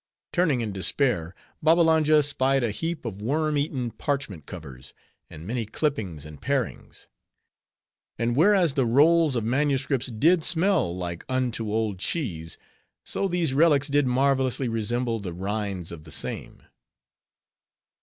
Turning in despair, Babbalanja spied a heap of worm eaten parchment covers, and many clippings and parings. And whereas the rolls of manuscripts did smell like unto old cheese; so these relics did marvelously resemble the rinds of the same.